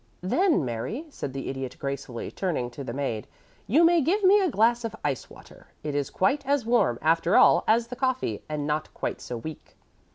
"Then, Mary," said the Idiot, gracefully, turning to the maid, "you may give me a glass of ice water. It is quite as warm, after all, as the coffee, and not quite so weak.